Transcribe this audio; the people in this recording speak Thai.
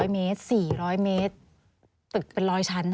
๐เมตร๔๐๐เมตรตึกเป็น๑๐๐ชั้น